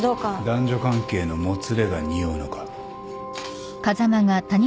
男女関係のもつれがにおうのか？